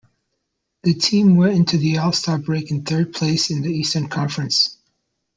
The team went into the All-Star break in third place in the Eastern Conference.